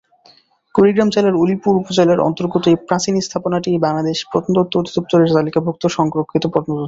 কুড়িগ্রাম জেলার উলিপুর উপজেলার অন্তর্গত এই প্রাচীন স্থাপনাটি বাংলাদেশ প্রত্নতত্ত্ব অধিদপ্তর এর তালিকাভুক্ত সংরক্ষিত প্রত্নতত্ত্ব।